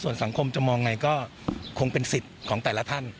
ส่วนสังคมจะมองไงก็คงเป็นสิทธิ์ของแต่ละท่าน